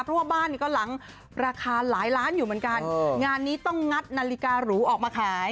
เพราะว่าบ้านนี้ก็หลังราคาหลายล้านอยู่เหมือนกันงานนี้ต้องงัดนาฬิการูออกมาขาย